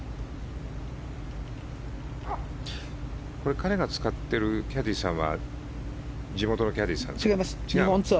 彼が使っているキャディーさんは地元のキャディーさん？